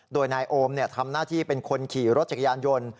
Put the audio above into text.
โดยนายโอมทำหน้าที่เป็นคนขี่รถจักรยานยนต์